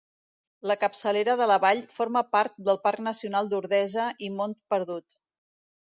La capçalera de la vall forma part del Parc Nacional d'Ordesa i Mont Perdut.